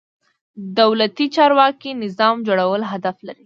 دولتي چارواکي نظام جوړول هدف لري.